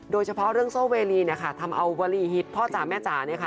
โดยเฉพาะเรื่องโซเวรีทำเอาวลีฮิตพ่อจ๋าแม่จ๋า